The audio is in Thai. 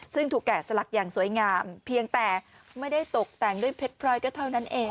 ซึ่งถูกแกะสลักอย่างสวยงามเพียงแต่ไม่ได้ตกแต่งด้วยเพชรพรอยก็เท่านั้นเอง